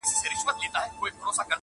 • ولي ګناکاري زما د ښار سپيني کفتري دي..